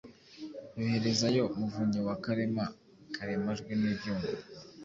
yoherezayo Muvunyi wa Karema karemajwe n'ibyuma